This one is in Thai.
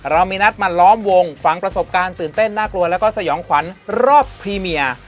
เรามีนัดมาล้อมวงฟังประสบการณ์ตื่นเต้นน่ากลัวแล้วก็สยองขวัญรอบพรีเมีย